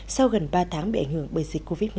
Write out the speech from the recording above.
sau gần ba tháng bị ảnh hưởng bởi dịch covid một mươi chín